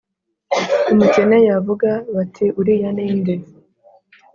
umukene yavuga, bati «Uriya ni nde?»